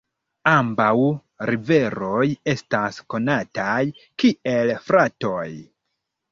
Ambaŭ riveroj estas konataj kiel fratoj.